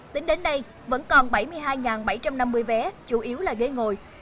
tính đến nay vẫn còn bảy mươi hai bảy trăm năm mươi vé chủ yếu là ghế ngồi